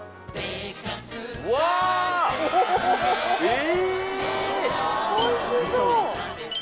え！